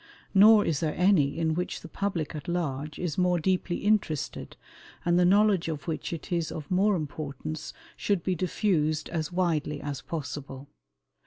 Nor is there any in which the public at large is more deeply interested, and the knowledge of which it is of more importance should be diffused as widely as possible.